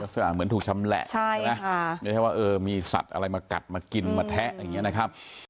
ลักษณะเหมือนถูกชำแหละใช่ไหมไม่ใช่ว่าเออมีสัตว์อะไรมากัดมากินมาแทะอย่างนี้นะครับ